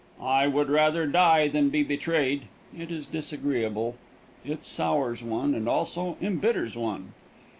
I would rather die than be betrayed. It is disagreeable. It sours one, and also embitters one.